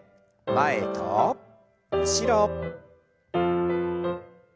前と後ろ。